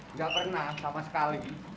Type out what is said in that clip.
nggak pernah sama sekali